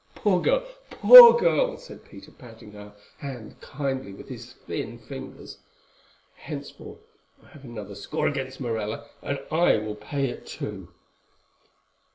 "Poor girl!—poor girl!" said Peter, patting her hand kindly with his thin fingers. "Henceforth I have another score against Morella, and I will pay it too."